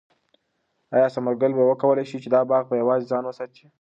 آیا ثمر ګل به وکولای شي چې دا باغ په یوازې ځان وساتي؟